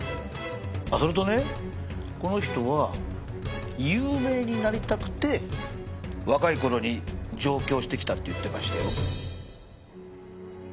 あそれとねこの人は有名になりたくて若い頃に上京してきたって言ってましたよ。